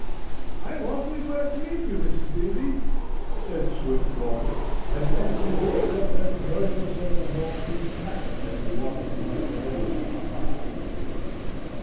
"I am awfully glad to meet you, Mrs. Beebe," said Swiftwater, advancing with step as noiseless as a Maltese cat, as he walked across the heavy plush carpet.